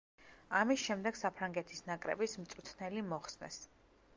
ამის შემდეგ საფრანგეთის ნაკრების მწვრთნელი მოხსნეს.